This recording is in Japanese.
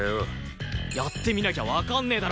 やってみなきゃわかんねえだろ！